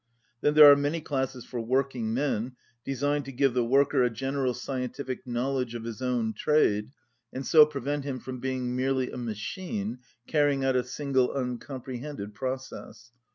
Then there are many classes for work 182 ing men, designed to give the worker a general scientific knowledge of his own trade and so pre vent him from being merely a machine carrying out a single uncomprehended process.